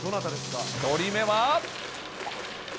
１人目は。